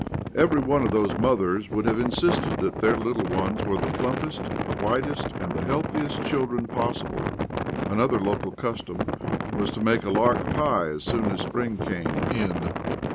Every one of those mothers would have insisted that their little ones were the plumpest, the whitest, and the healthiest children possible. Another local custom was to make a lark pie as soon as spring came in.